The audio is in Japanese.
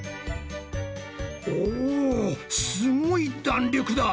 おすごい弾力だ！